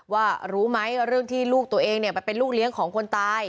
ว่ารู้ไหมเรื่องที่ลูกตัวเองไปเป็นลูกเลี้ยงของคนตาย